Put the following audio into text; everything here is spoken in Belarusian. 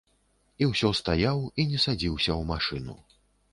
І ўсё стаяў і не садзіўся ў машыну.